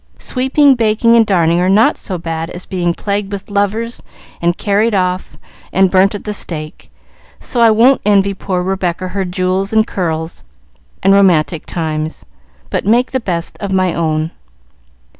Sweeping, baking, and darning are not so bad as being plagued with lovers and carried off and burnt at the stake, so I won't envy poor Rebecca her jewels and curls and romantic times, but make the best of my own."